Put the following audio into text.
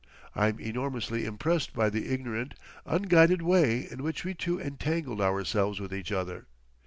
I'm enormously impressed by the ignorant, unguided way in which we two entangled ourselves with each other.